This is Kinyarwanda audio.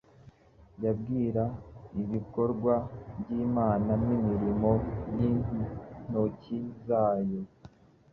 yibwira ibikorwa by’Imana n’imirimo y’intoki zayo.